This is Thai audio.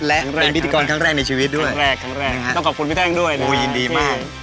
และเป็นพิธีกรครั้งแรกในชีวิตด้วยครั้งแรกครั้งแรกฮะต้องขอบคุณพี่แท่งด้วยโอ้ยินดีมาก